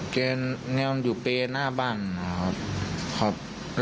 คุณต้องการรู้สิทธิ์ของเขา